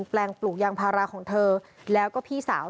แปลงปลูกยางพาราของเธอแล้วก็พี่สาว